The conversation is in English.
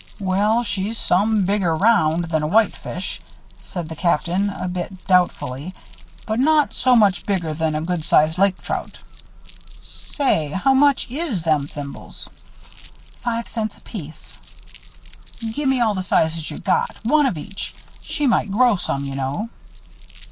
"Well, she's some bigger 'round than a whitefish," said the Captain, a bit doubtfully, "but not so much bigger than a good sized lake trout. Say, how much is them thimbles?" "Five cents apiece." "Gimme all the sizes you got. One of each. She might grow some, you know."